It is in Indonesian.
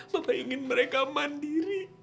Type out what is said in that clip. bapak ingin mereka mandiri